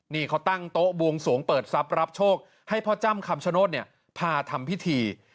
นี่เขาตั้งโต๊ะบวงสวงเปิดทรัพย์รับโชคให้พ่อจ้ำคำชโนธพาทำพิธี